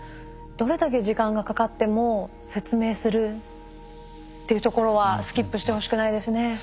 どれだけ時間がかかっても説明するっていうところはスキップしてほしくないですね。